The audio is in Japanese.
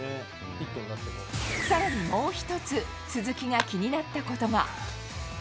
さらにもう１つ、鈴木が気になったことが。